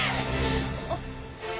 あっ。